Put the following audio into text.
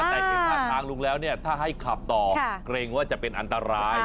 แต่เห็นท่าทางลุงแล้วเนี่ยถ้าให้ขับต่อเกรงว่าจะเป็นอันตราย